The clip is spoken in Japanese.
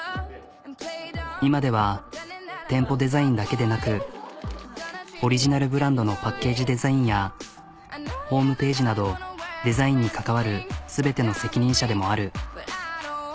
今では店舗デザインだけでなくオリジナルブランドのパッケージデザインやホームページなどデザインに関わる全ての責任者でもある。